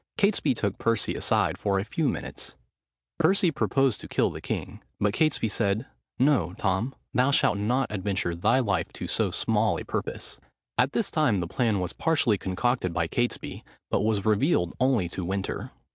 Catesby took Percy aside for a few minutes. Percy proposed to kill the king; but Catesby said, "No, Tom, thou shalt not adventure thy life to so small a purpose." At this time the plan was partially concocted by Catesby, but was revealed only to Winter.